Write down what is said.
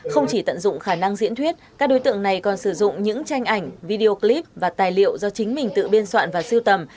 không chỉ tận dụng khả năng diễn thuyết các đối tượng này còn sử dụng những tranh ảnh video clip và tài liệu do chính mình tự biên soạn và siêu tầm